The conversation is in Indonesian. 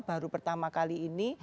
baru pertama kali ini